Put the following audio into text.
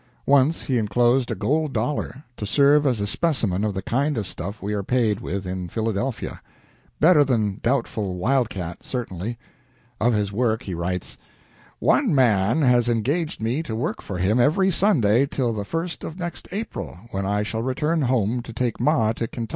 Once he inclosed a gold dollar, "to serve as a specimen of the kind of stuff we are paid with in Philadelphia." Better than doubtful "wild cat," certainly. Of his work he writes: "One man has engaged me to work for him every Sunday till the first of next April, when I shall return home to take Ma to Ky ..